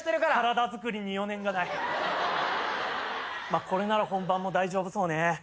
まあこれなら本番も大丈夫そうね。